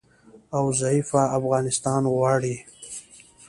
او ضعیفه افغانستان غواړي